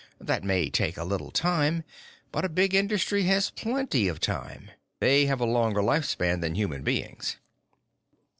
That may take a little time, but a big industry has plenty of time. They have a longer life span than human beings."